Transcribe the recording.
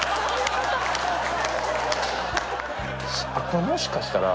これもしかしたら。